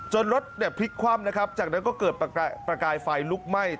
รถเนี่ยพลิกคว่ำนะครับจากนั้นก็เกิดประกายไฟลุกไหม้